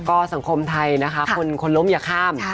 ก็สังคมไทยนะคะคนล้มอย่าข้าม